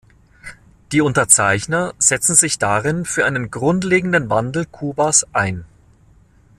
Die Unterzeichner setzten sich darin für einen grundlegenden Wandel Kubas ein.